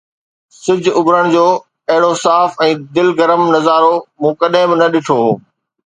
سج اڀرڻ جو اهڙو صاف ۽ دل گرم نظارو مون ڪڏهن به نه ڏٺو هو